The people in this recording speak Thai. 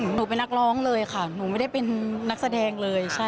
หนูเป็นนักร้องเลยค่ะหนูไม่ได้เป็นนักแสดงเลย